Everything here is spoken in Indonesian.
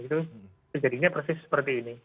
itu terjadinya persis seperti ini